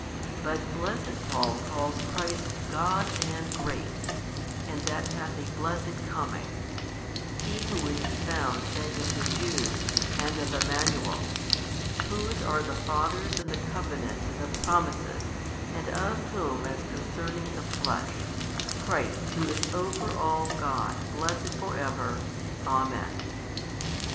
But blessed Paul calls Christ God and Great and that hath a blessed coming, he who is found saying of the Jews, and of Emmanuel, Whose are the fathers and the covenant and the promises and of whom as concerning the flesh, Christ Who is over all God 23 blessed for ever. Amen.